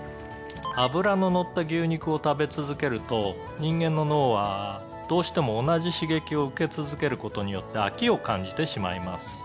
「脂ののった牛肉を食べ続けると人間の脳はどうしても同じ刺激を受け続ける事によって飽きを感じてしまいます」